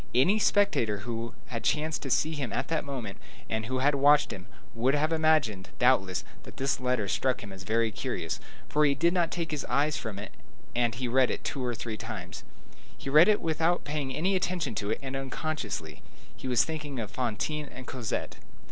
Any spectator who had chanced to see him at that moment, and who had watched him, would have imagined, doubtless, that this letter struck him as very curious, for he did not take his eyes from it, and he read it two or three times. He read it without paying any attention to it, and unconsciously. He was thinking of Fantine and Cosette.